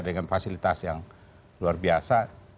dengan fasilitas yang luar biasa